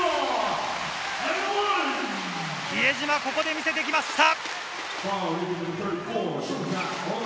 比江島、ここで見せてきました！